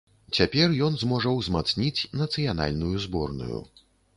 Цяпер ён зможа ўзмацніць нацыянальную зборную.